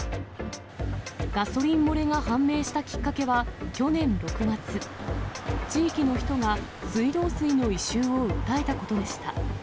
ガソリン漏れが判明したきっかけは、去年６月、地域の人が水道水の異臭を訴えたことでした。